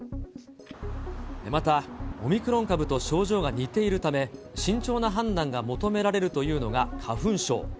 また、オミクロン株と症状が似ているため、慎重な判断が求められるというのが花粉症。